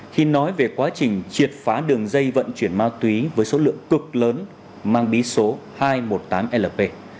khi nói về quá trình triệt phá đường dây vận chuyển ma túy với số lượng cực lớn mang bí số hai trăm một mươi tám lp